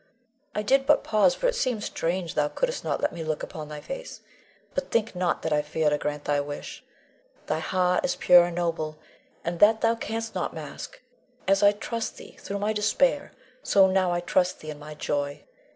I did but pause, for it seemed strange thou couldst not let me look upon thy face. But think not that I fear to grant thy wish. Thy heart is pure and noble, and that thou canst not mask. As I trusted thee through my despair, so now I trust thee in my joy.